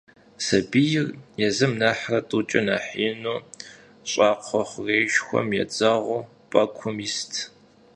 Сэбийр езым нэхърэ тӏукӏэ нэхъ ину щӏакхъуэ хъурейшхуэм едзэгъуу пӏэкум ист.